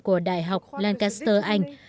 của đại học lancaster anh